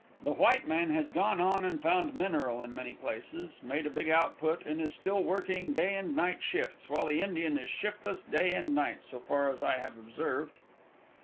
The white man has gone on and found mineral in many places, made a big output, and is still working day and night shifts, while the Indian is shiftless day and night, so far as I have observed.